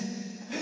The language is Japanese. え？